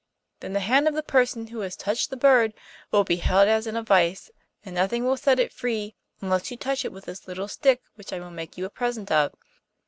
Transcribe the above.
Then the hand of the person who has touched the bird will be held as in a vice, and nothing will set it free, unless you touch it with this little stick which I will make you a present of.